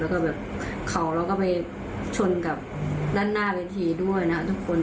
แล้วก็แบบเข่าแล้วก็ไปชนกับด้านหน้าเวทีด้วยนะทุกคน